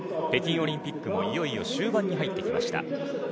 北京オリンピックもいよいよ終盤に入ってきました。